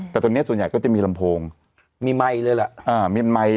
แต่ตอนเนี้ยส่วนใหญ่ก็จะมีลำโพงมีไหม้เลยแหละอ่ามีไหม้